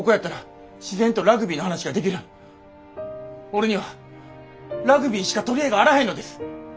俺にはラグビーしか取り柄があらへんのです。